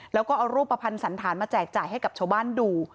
แล้วก็เอารูปภัณฑ์สันธารมาแจกจ่ายให้กับชาวบ้านดู